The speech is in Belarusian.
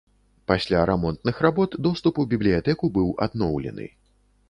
Пасля рамонтных работ доступ у бібліятэку быў адноўлены.